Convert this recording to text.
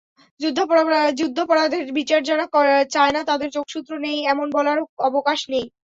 যুদ্ধাপরাধের বিচার যারা চায় না, তাদের যোগসূত্র নেই, এমন বলারও অবকাশ নেই।